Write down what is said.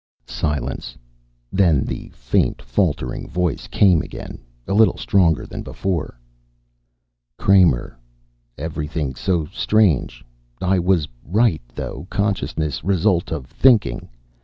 Silence. Then the faint, faltering voice came again, a little stronger than before. "Kramer. Everything so strange. I was right, though. Consciousness result of thinking.